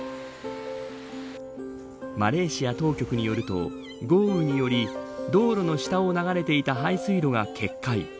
マレーシア当局によると豪雨により道路の下を流れていた排水路が決壊。